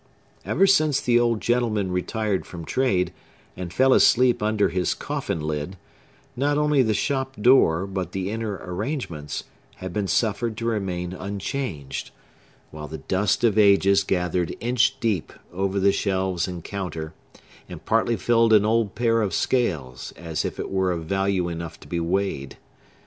Ever since the old gentleman retired from trade, and fell asleep under his coffin lid, not only the shop door, but the inner arrangements, had been suffered to remain unchanged; while the dust of ages gathered inch deep over the shelves and counter, and partly filled an old pair of scales, as if it were of value enough to be weighed.